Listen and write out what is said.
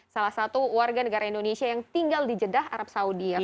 salah satu warga negara indonesia yang tinggal di jeddah arab saudi